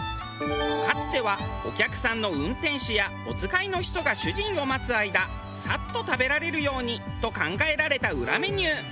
かつてはお客さんの運転手やおつかいの人が主人を待つ間さっと食べられるようにと考えられた裏メニュー。